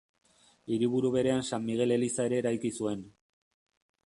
Hiriburu berean San Migel eliza ere eraiki zuen.